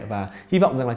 và hy vọng rằng là